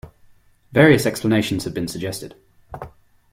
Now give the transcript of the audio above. Various explanations have been suggested.